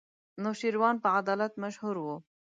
انوشېروان په عدالت مشهور وو.